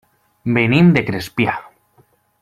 Venim de Crespià.